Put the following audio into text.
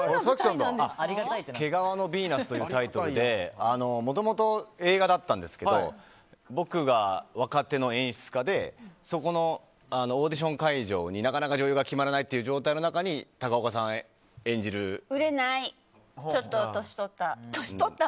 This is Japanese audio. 「毛皮のヴィーナス」というタイトルでもともと映画だったんですが僕が若手の演出家でそこのオーディション会場になかなか女優が決まらないという状態の中で売れない、ちょっと年取った。